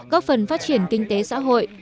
đề nghị giải thích hành tế xã hội